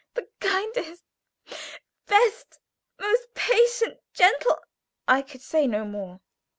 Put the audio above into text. "The kindest, best, most patient, gentle " I could say no more.